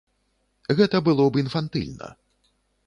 Гэта было б інфантыльна.